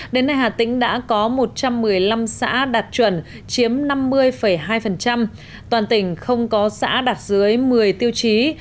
đến nay hà tĩnh đã có một trăm một mươi năm xã đạt chuẩn chiếm năm mươi hai toàn tỉnh không có xã đạt dưới một mươi tiêu chí